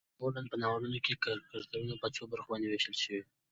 معمولا په ناولونو کې کرکترنه په څو برخو باندې ويشل شوي